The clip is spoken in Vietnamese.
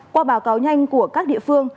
qua báo cáo nhanh của các địa phương